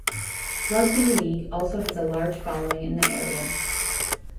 Rugby league also has a large following in the area.